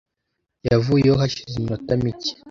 yavuyeho hashize iminota mike.